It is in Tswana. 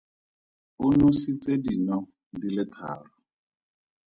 O nositse dino di le tharo.